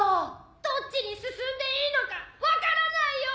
どっちに進んでいいのか分からないよ。